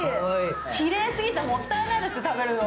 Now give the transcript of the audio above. きれいすぎてもったいないです、食べるの。